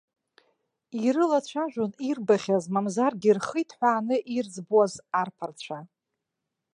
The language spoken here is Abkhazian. Ирылацәажәон ирбахьаз, мамзаргьы рхы иҭҳәааны ирӡбуаз арԥарцәа.